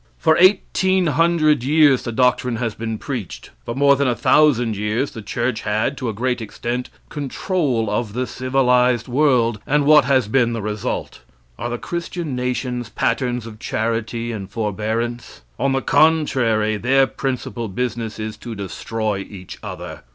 For eighteen hundred years the doctrine has been preached. For more than a thousand years the church had, to a great extent, the control of the civilized world, and what has been the result? Are the Christian nations patterns of charity and forbearance? On the contrary, their principal business is to destroy each other.